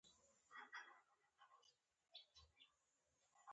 موږ د دې پوښتنې د ځواب لپاره یوې غوره تیورۍ ته اړتیا لرو.